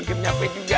makin nyampe juga